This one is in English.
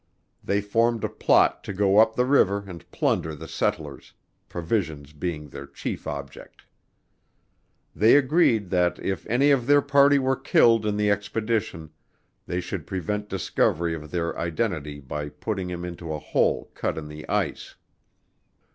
They formed a plot to go up the river and plunder the settlers provisions being their chief object. They agreed that if any of their party were killed in the expedition they should prevent discovery of their identity by putting him into a hole cut in the ice.